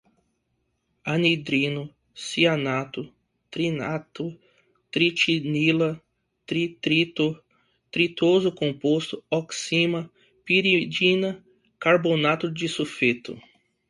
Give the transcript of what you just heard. anidrido, cianatos, nitrato, nitrila, nitrito, nitroso compostos, oxima, piridina, carbamato, disulfeto